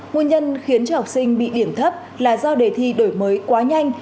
nguyên nhân khiến cho học sinh bị điểm thấp là do đề thi đổi mới quá nhanh